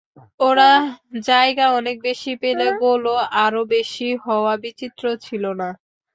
ওরা জায়গা অনেক বেশি পেলে গোলও আরও বেশি হওয়া বিচিত্র ছিল না।